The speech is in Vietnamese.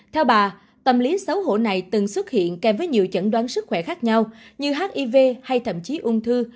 theo bà tâm lý xấu hổ này từng xuất hiện kèm với nhiều chẩn đoán sức khỏe khác nhau như hiv hay thậm chí ung thư